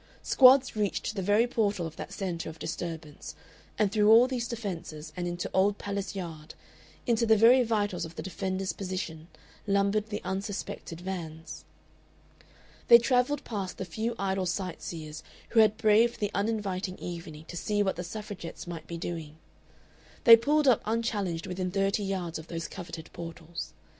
Squads reached to the very portal of that centre of disturbance. And through all these defences and into Old Palace Yard, into the very vitals of the defenders' position, lumbered the unsuspected vans. They travelled past the few idle sightseers who had braved the uninviting evening to see what the Suffragettes might be doing; they pulled up unchallenged within thirty yards of those coveted portals.